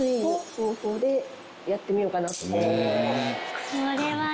やってみようかなと。